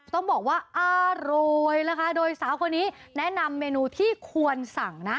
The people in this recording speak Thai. ต้องบอกว่าอร่อยนะคะโดยสาวคนนี้แนะนำเมนูที่ควรสั่งนะ